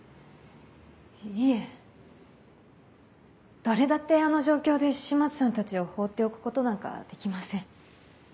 いえ誰だってあの状況で島津さんたちを放っておくことなんかできません。